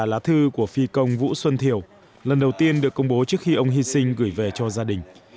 lá thư của phi công vũ xuân thiều lần đầu tiên được công bố trước khi ông hy sinh gửi về cho gia đình